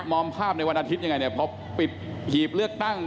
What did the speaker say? มอบภาพในวันอาทิตย์ยังไงพอหยิบเลือกตั้ง